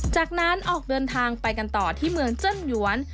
จากนั้นออกเดินทางไปกันต่อที่เมืองเจิ้งหยวน